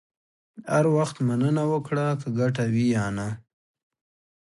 هر وخت مننه وکړه، که ګټه وي یا نه.